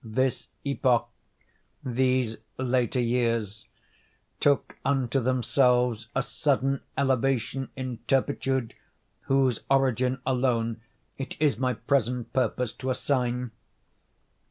This epoch—these later years—took unto themselves a sudden elevation in turpitude, whose origin alone it is my present purpose to assign.